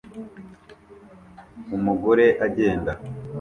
Umugore agenda